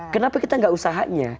kenapa kita gak usahanya